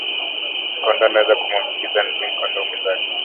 Kondoo anaweza kumuambukiza ndui kondoo mwenzake